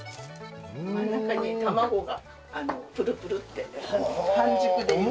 真ん中に卵がプルプルッて半熟でいます。